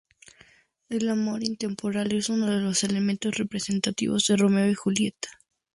El amor intemporal es uno de los elementos representativos de "Romeo y Julieta".